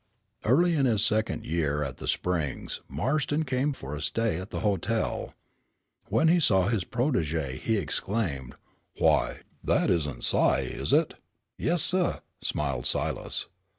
II Early in his second year at the Springs Marston came for a stay at the hotel. When he saw his protégé, he exclaimed: "Why, that isn't Si, is it?" "Yes, suh," smiled Silas.